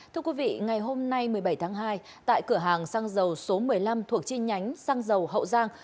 thưa quý vị ngày hôm nay một mươi bảy tháng hai tại cửa hàng xăng dầu số một mươi năm thuộc chi nhánh xăng dầu hậu giang